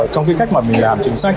trong cái cách mà mình làm chính sách